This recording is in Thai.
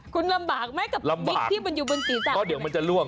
คุณลำบากไหมกับบิ๊กที่มันอยู่บนสีสาก